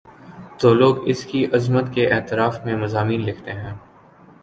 تو لوگ اس کی عظمت کے اعتراف میں مضامین لکھتے ہیں۔